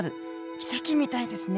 奇跡みたいですね。